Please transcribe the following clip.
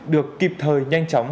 được kịp thời nhanh chóng